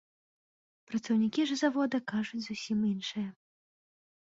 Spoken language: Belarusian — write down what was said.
Працаўнікі ж завода кажуць зусім іншае.